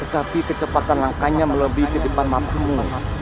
tetapi kecepatan langkahnya melebihi ke depan matamu